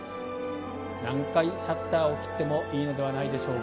何回シャッターを切ってもいいのではないでしょうか。